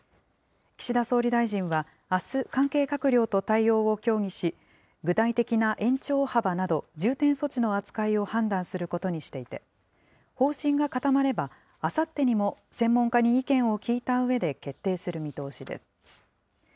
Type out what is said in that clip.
岸田総理大臣は、あす、関係閣僚と対応を協議し、具体的な延長幅など、重点措置の扱いを判断することにしていて、方針が固まれば、あさってにも専門家に意見を聞いたうえで決定する見通しです。